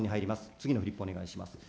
次のフリップお願いします。